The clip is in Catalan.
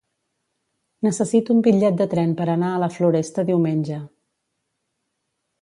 Necessito un bitllet de tren per anar a la Floresta diumenge.